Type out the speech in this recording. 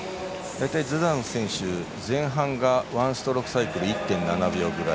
大体ズダノフ選手、前半がワンストロークサイクル１．７秒くらい。